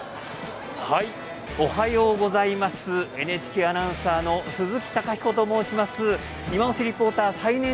ＮＨＫアナウンサーの鈴木貴彦です。